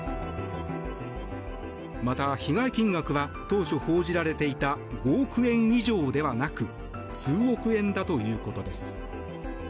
また、被害金額は当初報じられていた５億円以上ではなく数億円だということです。